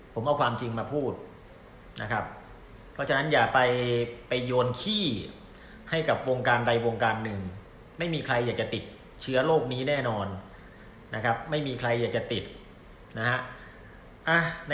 ผมเอาความจริงมาพูดนะครับเพราะฉะนั้นอย่าไปโยนขี้ให้กับวงการใดวงการหนึ่งไม่มีใครอยากจะติดเชื้อโรคนี้แน่นอนนะครับไม่มีใครอยากจะติดนะฮะ